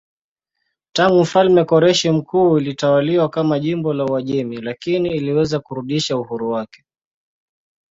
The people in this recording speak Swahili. Tangu mfalme Koreshi Mkuu ilitawaliwa kama jimbo la Uajemi lakini iliweza kurudisha uhuru wake.